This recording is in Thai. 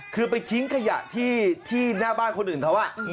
คือไปทิ้งขยะที่หน้าบ้านคนอื่นเขา